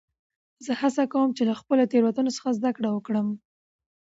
زه هڅه کوم، چي له خپلو تیروتنو څخه زدکړم وکړم.